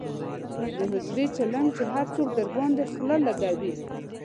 د حجرې چیلم یې هر څوک درباندې خله لکوي.